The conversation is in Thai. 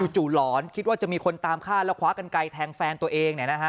หลอนคิดว่าจะมีคนตามฆ่าแล้วคว้ากันไกลแทงแฟนตัวเอง